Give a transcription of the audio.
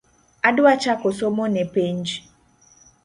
Adwa chako somo ne penj